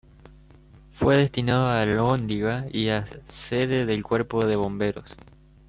Fue destinado a alhóndiga y a sede del Cuerpo de Bomberos.